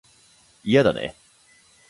嫌だね